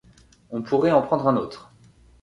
On pourrait en prendre un autre.